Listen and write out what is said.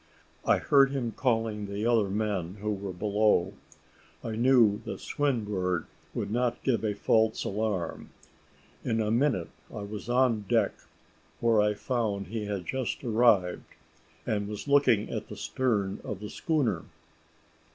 I heard him calling the other men who were below. I knew that Swinburne would not give a false alarm. In a minute I was on deck, where I found he had just arrived, and was looking at the stern of the schooner.